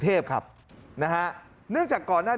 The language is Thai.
ทีมข่าวไปได้ข้อมูลเชิงลึก